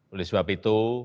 oleh sebab itu